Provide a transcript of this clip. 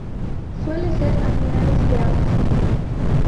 Suele ser a finales de agosto.